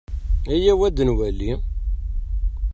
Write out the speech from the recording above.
Ayaw ad nwali.